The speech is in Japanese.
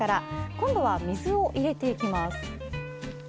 今度は水を入れていきます。